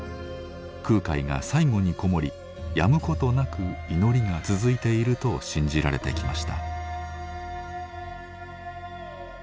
空海が最後に籠もりやむことなく祈りが続いていると信じられてきました。